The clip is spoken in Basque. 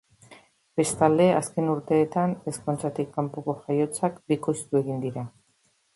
Bestalde, azken urteetan ezkontzatik kanpoko jaiotzak bikoiztu egin dira.